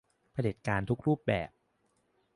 เผด็จการทุกรูปแบบ